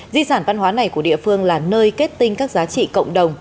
di sản văn hóa này của địa phương là nơi kết tinh các giá trị cộng đồng